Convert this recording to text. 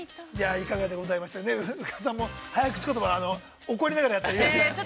◆いかがでございましたか、宇賀さんも、早口言葉、怒りながらやってたけど。